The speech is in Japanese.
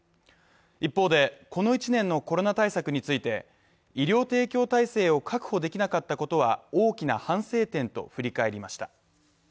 一方で、この１年のコロナ対策について医療提供体制を確保できなかったことは大きな反省点と振り返りました。